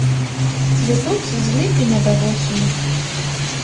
Цвітуць з ліпеня да восені.